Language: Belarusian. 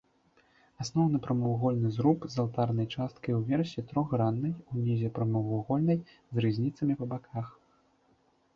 Асноўны прамавугольны зруб з алтарнай часткай уверсе трохграннай, унізе прамавугольнай, з рызніцамі па баках.